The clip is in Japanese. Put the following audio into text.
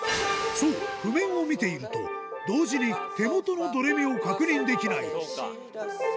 そう、譜面を見ていると、同時に手元のドレミを確認できない。